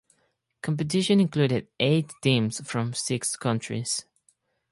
Competition included eight teams from six countries.